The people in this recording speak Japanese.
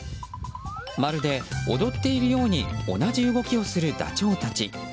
まるで踊っているように同じ動きをするダチョウたち。